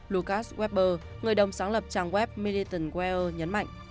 lucas weber người đồng sáng lập trang web militant well nhấn mạnh